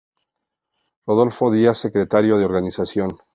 Rodolfo Díaz Secretario de organización.